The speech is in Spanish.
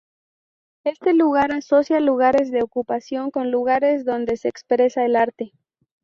Este lugar asocia lugares de ocupación con lugares donde se expresa el arte.